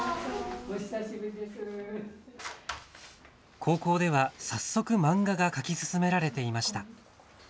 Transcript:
高校では早速漫画が描き進められていました。